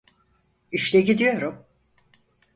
İşte gidiyorum.